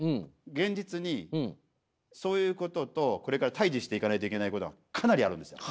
現実にそういうこととこれから対じしていかないといけないことがかなりあるんですよ。